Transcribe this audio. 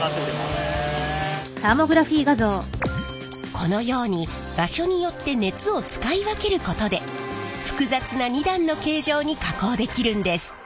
このように場所によって熱を使い分けることで複雑な２段の形状に加工できるんです。